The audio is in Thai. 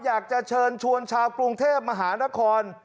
อยากจะเชิญชวนชาวกรุงเทพมหานคร